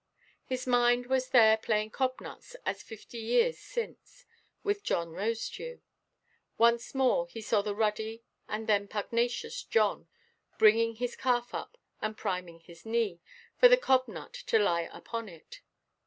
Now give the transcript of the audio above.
His mind was there playing cob–nut as fifty years since, with John Rosedew. Once more he saw the ruddy, and then pugnacious, John bringing his calf up, and priming his knee, for the cob–nut to lie upon it.